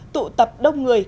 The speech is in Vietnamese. tụ tập đông người